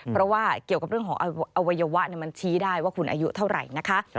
เพราะว่าเกี่ยวกับเรื่องของอวัยวะมันชี้ได้ว่าคุณอายุเท่าไหร่นะคะ